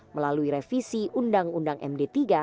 melalui revisi undang undang md tiga